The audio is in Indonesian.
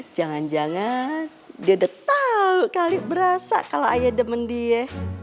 jangan jangan dia tahu kali berasa kalau ayah demen dia